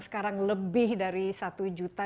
sekarang lebih dari satu juta